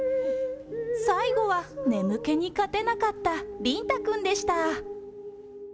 最後は眠気に勝てなかったりんたくんでした。